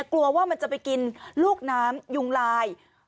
กลัวว่ามันจะไปกินลูกน้ำยุงลาย